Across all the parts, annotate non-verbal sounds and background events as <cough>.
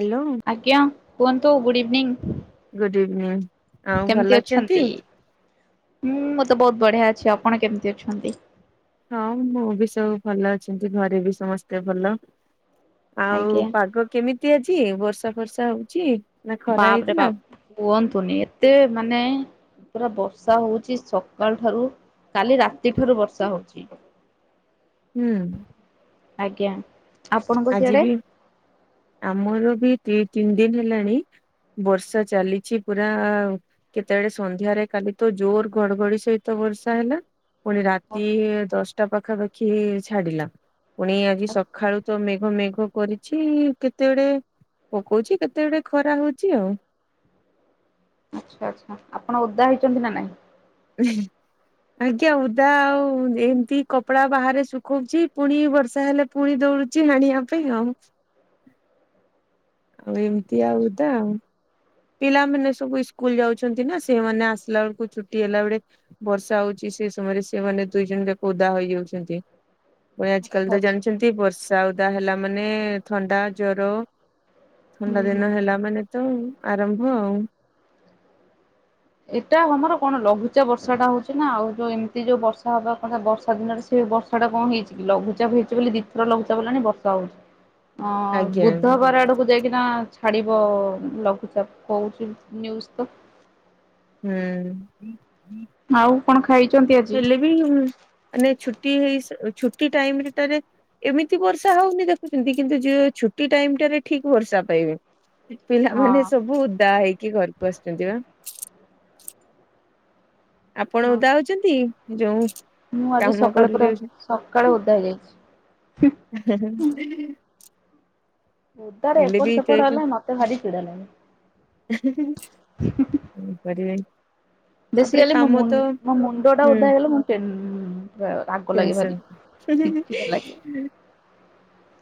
Hello ଆଜ୍ଞା, କୁହନ୍ତୁ good evening. Good evening ଆଉ ଭଲ ଅଛନ୍ତି। ହୁଁ ମୁଁ ତ ବହୁତ ବଢିଆ ଅଛି ଆପଣ କେମିତି ଅଛନ୍ତି? ହଁ ମୁଁ ବି ସବୁ ଭଲ ଅଛନ୍ତି ଘରେ ବି ସମସ୍ତେ ଭଲ। ଆଉ ଆଜ୍ଞା ପାଗ କେମିତି ଆଜି ବର୍ଷା ଫର୍ଷା ହଉଚି। ବାପରେ ବାପ କୁହନ୍ତୁନି ଏତେ ମାନେ ପୁରା ବର୍ଷା ହଉଚି ସକାଳ ଠାରୁ କାଲି ରାତିଠାରୁ ବର୍ଷା ହଉଚି। ହୁଁ ଆଜ୍ଞା ଆପଣଙ୍କ ଆଜି ସିଆଡେ? ବି ଆମର ବି ଦି ତିନି ଦିନି ହେଲାଣି। ବର୍ଷା ଚାଲିଛି ପୁରା କେତେବେଳେ ସନ୍ଧ୍ୟାରେ କାଲି ତ ଜୋର ଘଡଘଡି ସହିତ ବର୍ଷା ହେଲା। ପୁଣି ରାତି ଦଶଟା ପାଖାପାଖି ଛାଡିଲା ପୁଣି ଆଜି ସକାଳୁ ତ ମେଘ ମେଘ କରିଛି କେତେବେଡେ ପକଉଛି କେତେବେଡେ ଖରା ହଉଛି ଆଉ। ଆଚ୍ଛା ଆଚଛା ଆପଣ ଓଦା ହେଇଛନ୍ତି ନା ନହିଁ? ହେଁ ଆଜ୍ଞା ଉଦା ଆଉ ଏମିତି କପଡା ବାହାରେ ଶୁଖଉଛି ପୁଣି ବର୍ଷା ହେଲେ ପୁଣି ଦଉଡୁଛି ଆଣିବା ପାଇଁ ଆଉ ଆଉ ଏମିତି ଆଉଦା ପିଲାମାନୋନ ସବୁ ଇସ୍କୁଲ ଯାଉଛନ୍ତି ନା? ସେମାନେ ଆସିଲା ବେଳକୁ ଛୁଟି ହେଲା ବେଳେ ବର୍ଷା ହଉଚି ସେ ସମୟରେ ସେ ମାନେ ଦୁଇ ଜଣ ଯାକ ଓଦା ହେଇଯାଉଚନ୍ତି। ପ ଆଜି କାଲି ଆଚ୍ଛା ତ ଆଚ୍ଛା ଜାଣିଚନ୍ତି। ବର୍ଷା ଓଦା ହେଲା ମାନେ ଥଣ୍ଡା ଜର। ହୁଁ ଥଣ୍ଡା ହୁଁ। ଦିନ ହେଲା ମାନେ ତ ଆରମ୍ଭ ଆଉ। ଏଟା ଆମର କଣ ଲଘୁଚାପ ବର୍ଷା ଟା ହଉଛି ନା ଆଉ ଯୋଉ ଏମିତି ଯୋଉ ବର୍ଷା ହବା କଥା ବର୍ଷା ଦିନରେ ସେ ବର୍ଷା ଟା କଣ ହେଇଛି କି ଲଘୁଚାପ ହେଇଛି ବୋଲି ଦିିଥର ଲଘୁଚାପ ହେଲାଣି ବର୍ଷା ହଉ ହଁ ଆଜ୍ଞା ଆଜ୍ଞା ବୁଧବାର ଆଡକୁ ଯାଇକି ନା ଛାଡ଼ିବ ଉଁ ଲଘୁଚାପ କହୁଛି ନ୍ୟୁଜ୍ ତ। ହୁଁ। ଆଉ କଣ ଖାଇଛନ୍ତି ଆଜି? <unintelligible> ନାଇ ଛୁଟି ହେଇ ସ ଛୁଟି ଟାଇମଟା ରେ। ଏମିତି ବର୍ଷା ହଉନି ଦେଖୁଛନ୍ତି କିନ୍ତୁ ଯେ ଛୁଟି ଟାଇମ ଟାରେ ଠିକ ବର୍ଷା ପାଇବେ। ହଁ ପିଲାମାନେ ସବୁ ଓଦା ହେଇକି ଘରକୁ ଆସୁଛନ୍ତି ବା। ଆପଣ ହଁ ଓଦା ହଉଛନ୍ତି ଯୋଉ। ମୁଁ ଆଜି କାମ ସକାଳେ ପୁରା କରୁଛନ୍ତି। ସକାଳେ ଓଦା ହେଇଯାଇଛି। ଏ ହେ ହେ। ଓଦାରେ ବି ଏପଟ ଏଇଟା ସେପଟ ହେଲେ ମତେ ଭାରି ଚିଡା ଲାଗେ। ଏ ହେଁ ହେଁ ହେଁ। କଣ କରିବେ? ତାପରେ ବେସିକାଲି ମୋ କାମ ମୁଁ ତ ମୋ ମୁଣ୍ଡ ଟା ହୁଁ ଓଦା ହେଲେ ମୁଁ ଟେନ ପୁରା। ରାଗ ଲାଗେ ଟେନସନ। ଭାରି ଚିଡଚିଡା ଲାଗେ।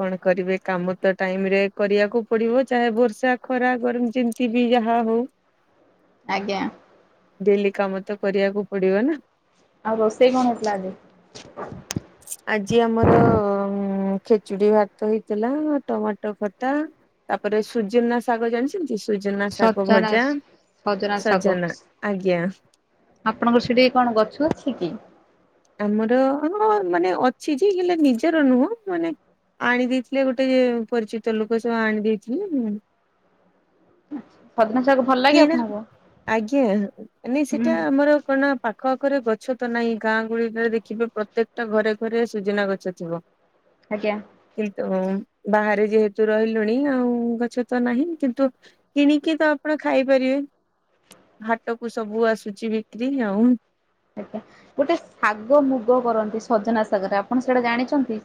କଣ କରିବେ କାମ ତ ଟାଇମରେ କରିବାକୁ ପଡିବ ଚାହେ ବର୍ଷା, ଖରା, ଗରମ ଯେ ତି ବି ଯାହା ହଉ। ଆଜ୍ଞା। ଡେଲି କାମ ତ କରିବାକୁ ପଡିବ ନା। ଆଉ ରୋଷେଇ କଣ ହେଇଥିଲା ଆଜି? <inaudible> ଆଜି ଆମର ଉଁ। ଖୀଚୁଡି ଭାତ ହେଇଥିଲା ଟମାଟୋ ଖଟା ତାପରେ ସୁଜୁନା ଶାଗ ଜାଣିଛ ସୁଜୁନା ଶାଗ ସଜନା ଭଜା ସଜନା ଆଜ୍ଞା। ଆପଣଙ୍କର ସେଇଠି କଣ ଗଛ ଅଛି କି? ଆମର ଆମର ମାନେ ଅଛି ଯେ ହେଲେ ନିଜର ନୁହଁ ମାନେ। ଆଣି ଦେଇଥିଲେ ଗୋଟେ ଯେ ପରିଚିତ ଲୋକ ସେ ଆଣି ଦେଇଥିଲେଁ। ସଜନା ଶାଗ। ଭଲ ଲାଗେ କିଣା ଆପଣଙ୍କୁ? ଆଜ୍ଞା ନାଇ ହୁଁ। ସେଟା ଆମର କଣ। ପାଖ ଆଖରେ ଗଛ ତ ନାହିଁ ଗାଁ ଗୁଡିକରେ ଦେଖିବେ ପ୍ରତ୍ୟେକ ଟା ଘରେ ଘରେ ସୁଜୁନା ଗଛ ଥିବ। <inaudible> ଆଜ୍ଞା। କିନ୍ତୁ ବାହାରେ ଯେହେତୁ ରହିଲୁଣି ଆଉ ଗଛ ତ ନାହିଁ କିନ୍ତୁ। କିଣିକି ତ ଆପଣ ଖାଇପାରିବେ ହାଟ କୁ ସବୁ ଆସୁଛି ବିକ୍ରି ଆଉ। ଆଜ୍ଞା। ଗୋଟେ ଶାଗ, ମୁଗ କରନ୍ତି ସଜନା ସାଗରେ। ଆପଣ ସେଇଟା ଜାଣିଚନ୍ତି?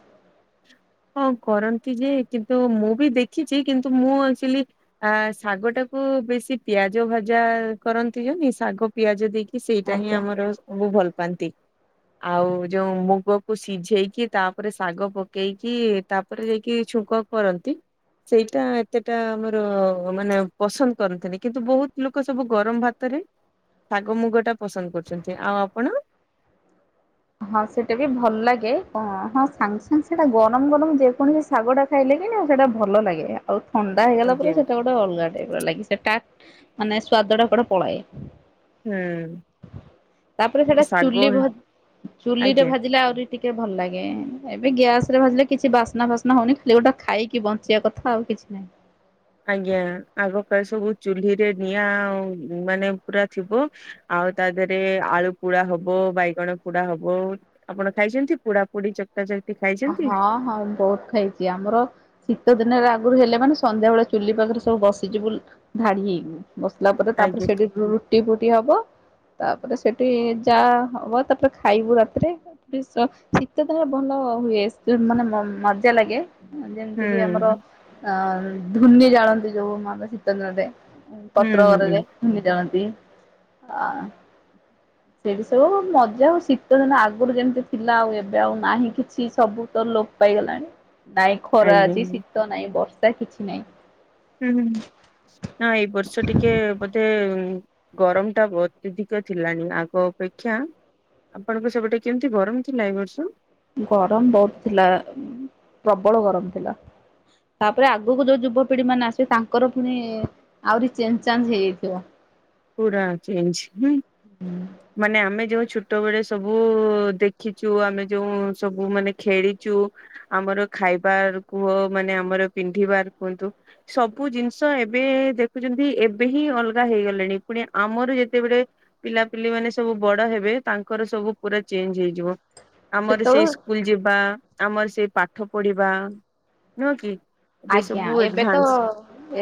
ହଁ କରନ୍ତି ଯେ କିନ୍ତୁ ମୁଁ ବି ଦେଖିଛି କିନ୍ତୁ ମୁଁ ଆକଚୁଲି। ଆ ଶାଗ ଟାକୁ ବେଶୀ ପିଆଜ ଭଜା କରନ୍ତି <unintelligible> ଶାଗ। ପିଆଜ ଦେଇକି ସେଇଟା ହିଁ ଆଜ୍ଞା। ଆମର। ଉଁ ଭଲ ପାଆନ୍ତି ଆଉ ଯୋଉ ମୁଗକୁ ସିଝେଇକି ତାପରେ ଶାଗ ପକେଇ କି ତାପରେ ଯାଇକି ଛୁଙ୍କ କରନ୍ତି। ସେଇଟା ଏତେ ଟା ଆମର ମାନେ ପସନ୍ଦ କରନ୍ତିନି କିନ୍ତୁ ବହୁତ ଲୋକ ସବୁ ଗରମ ଭା ତ ରେ ଶାଗ, ମୁଗ ଟା ପସନ୍ଦ କରୁଛନ୍ତି। ଆଉ ଆପଣ? ହଁ ସେଇଟା ବି ଭଲ ଲାଗେ ହଁ ସାଙ୍ଗେ ସାଙ୍ଗେ ସେଟା ଗରମ ଗରମ ଯେକୌଣସି ଶାଗଟା ଖାଇଲେ କିନି ସେଟା ଭଲ ଲାଗେ ଆଉ ଥଣ୍ଡା ହେଇଗଲା ପରେ ଆଜ୍ଞା। ସେଟା ଗୋ ଗୋଟେ ଅଲଗାଟା ଟାଇପ୍ ର ଲାଗି ସେଟା ମାନେ ସ୍ଵାଦ ଟା କୁଆଡେ଼ ପଳାଏ। ହୁଁ ତାପରେ ସେଟା ଶାଗ ଚୁଲି ଭ ଚୁଲିରେ ଆଜ୍ଞା। ଭାଜ ଲେ ଆହୁରି ଟିକେ ଭଲ ଲାଗେ ଏବେ ଗ୍ୟାସ ରେ ଭାଜିଲେ କିଛି ବାସ୍ନା ଫାସ୍ନା ହଉନି ଖାଲି ଗୋଟେ ଖାଇକି ବଞ୍ଚିବା କ ଥାଉ କିଛି ନାହିଁ ଆଜ୍ଞା ଆଗକାଳ ସବୁ ଚୁଲିରେ ନିଆଁ ଆ ମାନେ ପୁରା ଥିବ। ଆଉ ତା ଦେହରେ ଆଳୁ ପୋଡା ହବ ବାଇଗଣ ପୋଡା ହବ। ଆପଣ ଖାଇଛନ୍ତି ପୋଡା ପୋଡି ଚକଟା ଚକଟି ଖାଇଛନ୍ତି। ହଁ ହଁ ମୁଁ ବହୁତ ଖାଇଛି ଆମର ଶୀତ ଦିନରେ ଆଗରୁ ହେଲେ ମାନେ ସନ୍ଧ୍ୟାବେଳେ ଚୁଲି ପାଖରେ ସବୁ ବସିଯିବୁ ଧାଡି ହେଇକି ବସିଲା ପରେ ତାପରେ ଆଜ୍ଞା ସେଠି ରୁଟି ଫୁଟି ହବ ତାପରେ ସେଠି ଯା ହବ ତାପରେ ଖାଇବୁ ରାତିରେ। ବେଶ ଶୀତ ଦିନରେ ଭଲ ହୁଏ ମାନେ ମଜା ଲାଗେ ହୁଁ ଯେମିତି କି ଆମର ଅ ଧୂନି ଜାଳନ୍ତି ଯୋଉ ମ ଶୀତ ଦିନର ହୁଁ ପତ୍ରରେ ହୁଁ। ଘରରେ ଧୁନି ଜାଳନ୍ତି ଆ ସେଇଠି ସବୁ ମଜା ହଉ ଶୀତଦିନ ଆଗରୁ ଯେମିତି ଥିଲା ଆଉ ଏବେ ଆଉ ନାହିଁ କିଛି ସବୁ ତ ଲୋ ପାଇଗଲାଣି ନାଇଁ ଖରା ଆଜ୍ଞା ଅଛି ହୁଁ ଶୀତ ନାଇଁ ବର୍ଷା କିଛି ନାଇଁ। ହୁ ନା ଏଇ ବର୍ଷ ଟିକେ ବୋଧେ ଗରମ ଟା ଅତ୍ୟଧିକ ଥିଲାଣି ଆଗ ଅପେକ୍ଷା ଆପଣଙ୍କ ସେପଟେ କେମିତି ଗରମ ଥିଲା ଏ ବର୍ଷ? ଗରମ ବହୁତ ଥିଲା ପ୍ରବଳ ଗରମ ଥିଲା। ତାପରେ ଆଗକୁ ଯୋଉ ଯୁବପିଢି ମାନେ ଆସିବେ ତାଙ୍କର ପୁଣି ଆହୁରି ଚେଞ୍ଜ ଚାଞ୍ଜ ହେଇଯାଇଥିବ। ପୁରା ଚେଞ୍ଜ ନାଇ? ମାନେ ଆମେ ଯୋଉ ଛୋଟବେଳେ ସବୁ ଦେଖିଛୁ ଆମେ ଯୋଉ ସବୁ ମାନେ ଖେଳି ଚୁ ଆମର ଖାଇବାର କୁହ ମାନେ ଆମର ପିନ୍ଧିବାର କୁହନ୍ତୁ। ସବୁ ଜିନିଷ ଏବେ ଦେଖୁଛନ୍ତି ଏବେ ହିଁ ଅଲଗା ହେଇଗଲେଣି। ପୁଣି ଆମର ଯେତେବେଳେ ପିଲାପିଲି ମାନେ ସବୁ ବଡ ହେବେ ତାଙ୍କର ସବୁ ପୁରା ଚେଞ୍ଜ ହେଇଯିବ। ଆମରି ସେତେବେଳୁ ସେଇ ସ୍କୁଲ ଯିବା ଆମରି ସେଇ ପାଠ ପଢିବା ନୁହଁ କି? ଏବେ ଆଜ୍ଞା ସବୁ ଏବେ ତ ଏଡଭାନ୍ସ।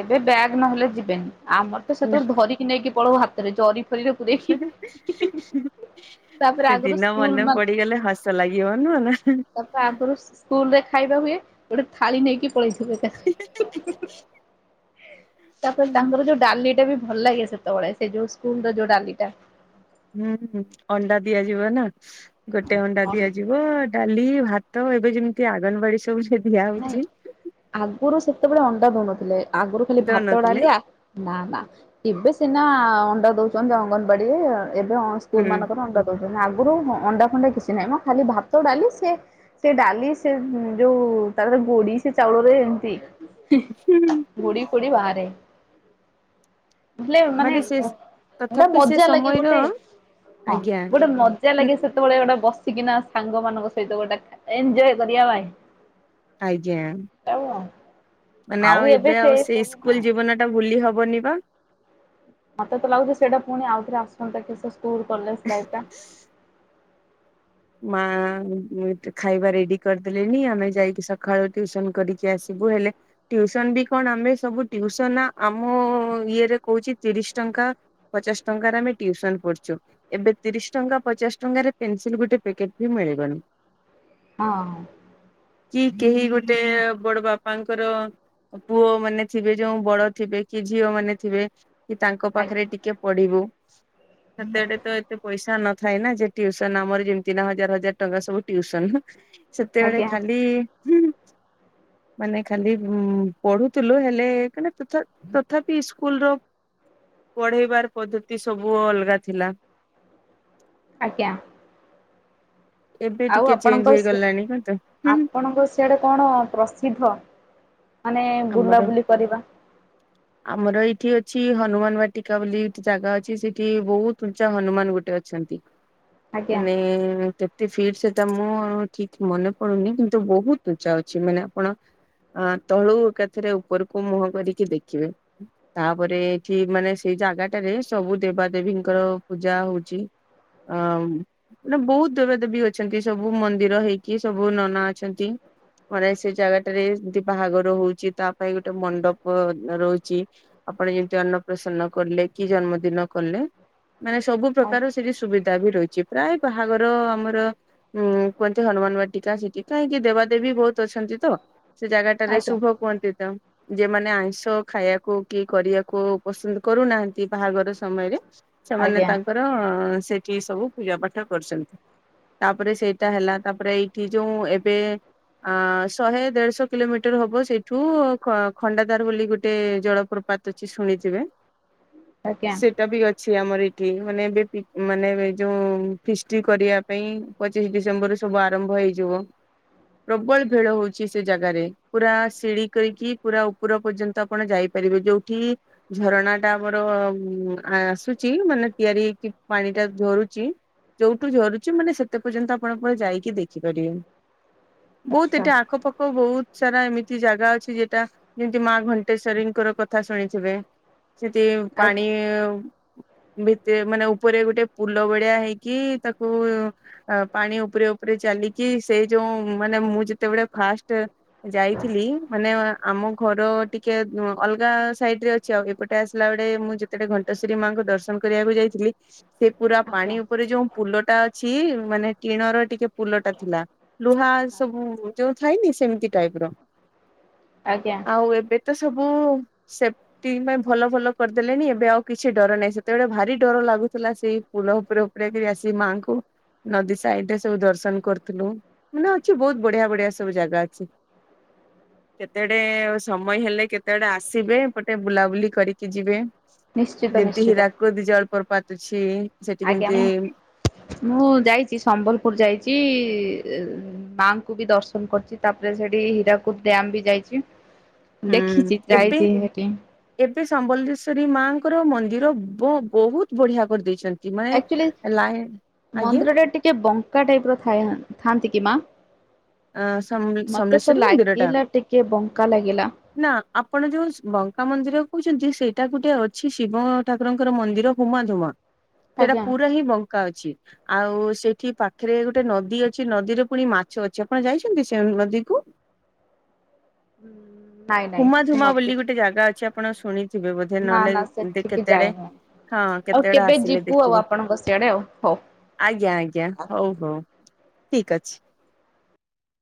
ଏବେ ବ୍ୟାଗ୍ ନହେଲେ ଯିବେନି ଆମର ତ ସେତେବେଳେ ଧରି ନେଇକି ପଳଉ ହାତରେ ଜରି ଫରିରେ ପୁରେଇକି <unintelligible> ତାପରେ ସେ ଆଗରୁ ଦିନ ମନେ ସ୍କୁଲ ପଡିଗଲେ ହସ ଲାଗିବ ନୁହଁ ନା? ତାପରେ ଆଗରୁ ସ୍କୁଲ ରେ ଖାଇବା ହୁଏ ଗୋଟେ ଥାଳି ନେଇକି ପଳେଇବୁ। <unintelligible> ତାପରେ ତାଙ୍କର ଯୋଉ ଡାଲିଟା ବି ଭଲ ଲାଗେ ସେତେବେଳେ ସେ ଯଉ ସ୍କୁଲର ଯୋଉ ଡାଲିଟା। ହୁଁ ହୁଁ ଅଣ୍ଡା ଦିଆଯିବ ନା ଗୋଟେ ଅଣ୍ଡା ଅନ୍ ଦିଆଯିବ। <unintelligible> ଡାଲି ଭାତ ଏବେ ଯେମିତି ଆଗନବାଡି ସବୁ ଦିଆ ନାଇଁ ହଉଛି। ଆଗରୁ ସେତେବେଳେ ଅଣ୍ଡା ଦଉନଥିଲେ ଆଗରୁ ଖାଲି ଭାତ ଦଉନଥିଲେ ଡାଲିଆ ନା ନା ଏବେ ସିନା ଅଣ୍ଡା ଦଉଛନ୍ତି ଅଙ୍ଗନବାଡିରେ ଏବେଅ ସ୍କୁଲ ହୁଁ ମାନଙ୍କରେ ଅଣ୍ଡା ଆଗରୁ ଅଣ୍ଡା ଫଣ୍ଡା କିଛି ନାହିଁ ମଁ ଖାଲି ଭାତ ଡାଲି ସେ ସେ ଡାଲି ସେ ଯୋଉ ତାପରେ ଗୋଡି ସେ ଚାଉଳରେ ଏମିତି। ହୁଁ। <unintelligible> ଗୁଡ଼ି ଫୁଡି ବାହାରେ। ହେଲେ ମାନେ ଗୋ ଗୋଟେ ତଥାପି ସେ ମଜା ଲାଗେ ସମୟର ଗୋଟେ ହଁ ଆଜ୍ଞା ଗୋଟେ ମ ମଜା ଲାଗେ ସେତେବେଳେ ଗୋଟେ ବସିକିନା ସାଙ୍ଗମାନଙ୍କ ସହିତ ଗୋଟେ ଏନଜୟେ କରିବା ପାଇଁ। ଆଜ୍ଞା। ଆଉ। <unintelligible> ମାନେ ଆଉ ଏବେ ସେ ଆଉ ସେଇ ସବୁ ନା ସ୍କୁଲ ଜୀବନ ଟା ଭୁଲି ହବନି ବା। ମତେ ତ ଲାଗୁଛି ସେଇଟାପୁଣି ଆଉଥରେ ଆସୁନ୍ତା କି ସେ ସ୍କୁଲ କଲେଜ ଲାଇଫ ଟା। ମା ଖାଇବା ରେଡି କରିଦେଲେଣି ଆମେ ଯାଇକି ସକାଳୁ ଟିଉସନ କରିକି ଆସିବୁ ହେଲେ ଟିଉସନ ବି କଣ ଆମେ ସବୁ ଟିଉସନ ଆମ ଇଏରେ କହୁଛି ତିରିଶି ଟଙ୍କା। ପଚାଶ ଟଙ୍କାରେ ଆମେ ଟିଉସନ ପଢୁଛୁ ଏବେ ତିରିଶ ଟଙ୍କା ପଚାଶ ଟଙ୍କାରେ ପେନସିଲ ଗୋଟେ ପିକେଟ ବି ମିଳିବନି। ହଁ। କି କେହି ଗୋଟେ ବଡ ବାପାଙ୍କର ପୁଅ ମାନେ ଥିବେ ଯୋଉ ବଡ ଥିବେ କି ଝିଅ ମାନେ ଥିବେ କି ତାଙ୍କ ଆଜ୍ଞା ପାଖରେ ଟିକେ ଟିକେ ପଢିବୁ ସେତେଡେ ତ ଏତେ ପଇସା ନଥାଏ ନା ଯେ ଟିଉସନ ଆମର ଯେ ତିନ ହଜାର ହଜାର ଟଙ୍କା ସବୁ ଟିଉସନ ସେତେବେଳେ ଆଜ୍ଞା ଖାଲି ମାନେ ଖାଲି ଉ ପଢୁଥିଲୁ ହେଲେ। <unintelligible> ତଥାପି ସ୍କୁଲ ର ପଢେଇବାର ପଦ୍ଧତି ସବୁ ଅଲଗା ଥିଲା। ଆଜ୍ଞା। ଏବେ ଆଉ ଟିକେ ଚେଞ୍ଜ ଆପଣଙ୍କ ସେ ହେଇଗଲାଣି ତ ହୁଁ ଆପଣଙ୍କ। <unintelligible> ସେଆଡେ କଣ ପ୍ରସିଦ୍ଧ ମାନେ ଆମର ବୁଲାବୁଲି କରିବା। ଆମର ଏଇଠି ଅଛି ହନୁମାନ ବାଟିକା ବୋଲି ଏଠି ଜାଗା ଅଛି ସେଠି ବହୁତ ଉଞ୍ଚା ହନୁମାନ ଗୋଟେ ଅଛନ୍ତି। ଆଜ୍ଞା ମାନେ। <unintelligible> ଫି <unintelligible> ମୁଁ ଠିକ ମନେ ପଡୁନି କିନ୍ତୁ ବହୁତ ଉଚା ଅଛି ମାନେ ଆପଣ ଆ ତଳୁ ଏକାଥରେ ଉପରକୁ ମୁହଁ କରିକି ଦେଖିବେ। ତାପରେ ଏଠି ମାନେ ସେଇ ଜାଗାଟାରେ ସବୁ ଦେବା ଦେବୀଙ୍କର ପୂଜା ହଉଛି। <unintelligible> ମାନେ ବହୁତ ଦେବାଦେବୀ ଅଛନ୍ତି ସବୁ ମନ୍ଦିର ହେଇକି ସବୁ ନନା ଅଛନ୍ତି। ଥରେ ସେ ଜାଗାଟାରେ ଜଦି ବାହାଘର ହଉଛି ତା ପାଇଁ ଗୋଟେ ମଣ୍ଡପ ରହୁଛି। ଆପଣ ଯେମିତି ଅନ୍ନ ପ୍ରସନ୍ନ କଲେ କି ଜନ୍ମଦିନ କଲେ ମାନେ ସବୁ ପ୍ରକାର ଆଜ୍ଞା ସେଠି ସୁ ସୁବିଧା ବି ରହିଛି ପ୍ରାୟ ବାହାଘର ଆମର ହୁଁ କୁହନ୍ତି ହନୁମାନ ବାଟିକା ସେଠି କାହିଁକି ଦେବାଦେବୀ ବହୁତ ଅଛନ୍ତି ତ। ସେ ଜାଗାଟାରେ ଆଜ୍ଞା ଶୁଭ କୁହନ୍ତି ତ। ଯେମାନେ ଆଇଁଷ ଖାଇବାକୁ କି କରିବାକୁ ପସନ୍ଦ କରୁନାହାନ୍ତି ବାହାଘର ସମୟରେ। ସେମାନେ ଆଜ୍ଞା ତାଙ୍କର ସେଠି ସବୁ ପୂଜା ପାଠ କରୁଛନ୍ତି। ତାପରେ ସେଇଟା ହେଲା, ତାପରେ ଏଇଠି ଯୋଉ ଏବେ ଆ ଶହେ ଦେଢଶହ କିଲୋମିଟର ହବ ସେଇଠ ଠୁ ଖଣ୍ଡାଧାର ବୋଲି ଗୋଟେ ଜଳପ୍ରପାତ ଅଛି ଶୁଣିଥିବେ। ସେଟା ବି ଅ ଅଛି ଆମର ଏଠି ମାନେ ଏବେ <unintelligible> ମାନେ ଏ ଯୋଉ ଫିଷ୍ଟ କରିବା ପାଇଁ ପଚିଶ ଡିସେମ୍ବର ସବୁ ଆରମ୍ଭ ହେଇଯିବ। ପ୍ରବଳ ଭିଡ ହଉଛି ସେ ଜାଗାରେ ପୁରା ସିଡି କରିକି ପୁରା ଉପର ପର୍ଯ୍ୟନ୍ତ ଆପଣ ଯାଇପାରିବେ ଯୋଉଠି ଝରଣା ଟା ଆମର ଆସୁଛି ମାନେ ତିଆରି ହେଇକି ପାଣି ଟା ଝରୁଛି ଯୋଉଠୁ ଝରୁଛି ମାନେ ସେତେ ପର୍ଯ୍ୟନ୍ତ ଆପଣ ପ ଯାଇକି ଦେଖିପାରିବେ। ବହୁତ ଆଚ୍ଛା ଏଠି ଆଖପାଖ ବହୁତ ସାରା ଏମିତି ତି ଜାଗା ଅଛି ଯେଟା ଯେମିତି ମା ଘଣ୍ଟେଶ୍ଵରୀଙ୍କର କଥା ଶୁଣିଥିବେ। ସେଠି ଆଜ୍ଞା ପାଣି ଭିତରେ ମାନେ ଉପରେ ଗୋଟେ ପୁଲ ଭଳିଆ ହେଇକି ତାକୁ ଅ ପାଣି ଉପରେ ଉପରେ ଚାଲିକି ସେ ଯୋଉ ମାନେ ମୁଁ ଯେତେବେଳେ ଫାଷ୍ଟ ଯାଇ ଥିଲି ମାନେ ଆମ ଘର ଟିକେ ଅଲଗା ସାଇଡ୍ ରେ ଅଛି ଆଉ ଏପଟେ ଆସିଲା ବେଳେ ମୁଁ ଯେ ସେପଟେ ଘଣ୍ଟଶରୀ ମାଙ୍କୁ ଦର୍ଶନ କରିବାକୁ ଯାଇଥିଲି ସେ ପୁରା ଆଜ୍ଞା। ପାଣି ଉପରେ ଯୋଉ ପୁଲ ଟା ଅଛି ମାନେ କିଟିଣର ଟିକେ ପୁଲଟା ଥିଲା। ଲୁହା ସବୁ ଯୋଉ ଥାଇନି ସେମିତି ଟାଇପ୍ ର। ଆଜ୍ଞା। ଆଉ ଏବେ ତ ସବୁ ସେ ଟି ପାଇଁ ଭଲ ଭଲ କରିଦେଲେଣିି ଏବେ ଆଉ କିଛି ଡର ନାହିଁ ସେତେବେଳେ ଭାରି ଡର ଲାଗୁଥିଲା ସେଇ ପୁଲ ଉପରେ ଉପରେ କିରି ଆସିକି ମାଆଙ୍କୁ ନଦୀ ସାଇଡ୍ ରେ ସବୁ ଦର୍ଶନ କରୁଥିଲୁ ମାନେ ଅଛି ବହୁତ ବଢିଆ ବଢିଆ ସବୁ ଜାଗା ଅଛି। କେତେଡେ ସମୟ ହେଲେ କେତେଡେ ଆସିବେ ଏପଟେ ବୁଲାବୁଲି କରିକି ଯିବେ। ନିଶ୍ଚିତ ଯେମିତି ନିଶ୍ଚିତ ହୀରାକୁଦ ଜଳପ୍ରପାତ ଅଛି। ସେଠି ଆଜ୍ଞା କେମିତି ମୁଁ ମୁଁ ଯାଇଚି ସମ୍ବଲପୁର ଯାଇଚି ଇ ମାଙ୍କୁ ବି ଦର୍ଶନ କରିଚି ତାପରେ ସେଠି ହୀରାକୁଦ ଡ୍ୟାମ୍ ବି ଯାଇଚି। ହୁଁ ଦେଖିଚି ଏବେ ଯାଇଚି ହେଠି। ଏବେ ସମ୍ବଲେଶ୍ଵରୀ ମାଙ୍କର ମନ୍ଦିର ବୋ ବହୁତ ବଢିଆ କରିଦେଇଚନ୍ତି। ଆକଚୁଲି ମନ୍ଦିରଟା ଟିକେ ବଙ୍କା ଟାଇପ୍ ର ଥାଏ ଥାଆନ୍ତି କି ମା? ଅ ସମଲେ ମତେ ତ ସମଲେଶ୍ଵରୀ ମନ୍ଦିର ଟା? ଲାଗିଲା ଟିକେ ବଙ୍କା ଲାଗିଲା। ନା ଆପଣ ଯୋଉ ବଙ୍କା ମନ୍ଦିର କହୁଚନ୍ତି ସେଇଟା ଗୋଟେ ଅଛି ଶିବ ଠାକୁରଙ୍କର ମନ୍ଦିର। ଉମା ଧୁମା ସେଟା ଆଜ୍ଞା। ପୁରା ହିଁ ବ ଙ୍କା ଅଛି ଆଉ ସେଠି ପାଖରେ ଗୋଟେ ନଦୀ ଅଛି ନଦୀରେ ପୁଣି ମାଛ ଅଛି। ଆପଣ ଯାଇଚନ୍ତି ସେ ନଦୀକୁ? ନାଇଁ ନାଇଁ ଉମା ସେ ଧୁମା ନଦୀ ବୋଲି ଗୋଟେ ଜାଗା ଅଛି ଆପଣ ଶୁଣିଥିବେ ବୋଧେ ନା ନହେଲେ ନା ଦେଖେ ସେଠିକି କେତେଡେ ଯାଇନୁ ହଁ ଆଉ କେତେ ବେଡେ କେବେ ଆସିଲେ ଯିବୁ ଆଉ ଦେଖିବେ। ଆପଣଙ୍କ ସିଆଡେ ଆଉ ହଉ। ଆଜ୍ଞା ଆଜ୍ଞା ହଉ ହଉ ଠିକ ଅଛି।